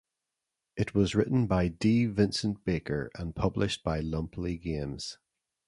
It was written by D. Vincent Baker and published by Lumpley Games.